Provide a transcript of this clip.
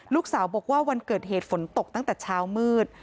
ลูกสาวบอกว่าวันเกิดเหตุฝนตกตั้งแต่เช้ามืด